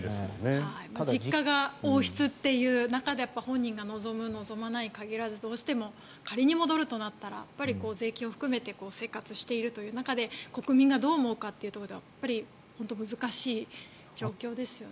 実家が王室という中で本人が望む、望まないに関わらずどうしても仮に戻るとなったら税金を含めて生活しているという中で国民がどう思うかというところでは本当に難しい状況ですね。